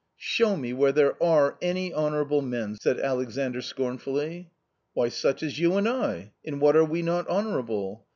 " Show me where there are any honourable men ?" said Alexandr scornfully. " Why, such as you and I ; in what are we not honour able